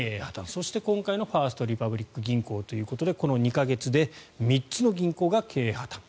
そして今回のファースト・リパブリック銀行ということでこの２か月で３つの銀行が経営破たん。